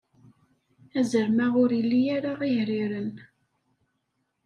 Azrem-a ur ili ara ihriren.